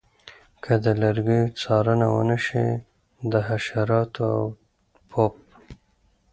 که د لرګیو څارنه ونشي د حشراتو او پوپ